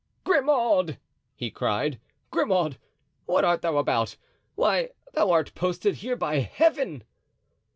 "Grimaud!" he cried; "Grimaud! what art thou about? Why, thou art posted here by Heaven!"